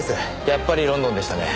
やっぱりロンドンでしたね。